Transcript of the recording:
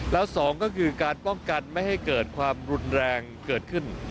แล้วสองก็คือการป้องกันไม่ให้เกิดความรุนแรงเกิดขึ้น